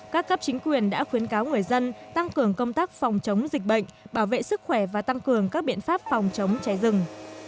các cấp chính quyền đã khuyến cáo người dân tăng cường công tác phòng chống dịch bệnh bảo vệ sức khỏe và tăng cường các biện pháp phòng chống cháy rừng